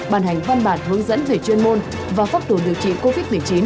bàn hành văn bản hướng dẫn về chuyên môn và pháp tủ điều trị covid một mươi chín